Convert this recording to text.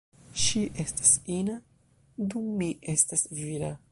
Ŝi estas ina dum mi estas vira.